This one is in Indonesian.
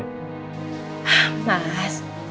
mas kamu gak usah pikirin